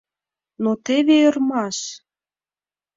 Но теве ӧрмаш!